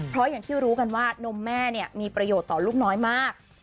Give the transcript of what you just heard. เพราะอย่างที่รู้กันว่านมแม่เนี่ยมีประโยชน์ต่อลูกน้อยมาก